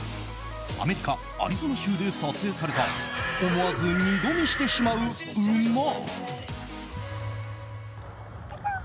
アメリカ・アリゾナ州で撮影された思わず二度見してしまう馬。